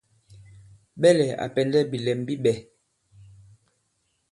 Ɓɛlɛ̀ à pɛ̀ndɛ bìlɛm bi ɓɛ̄.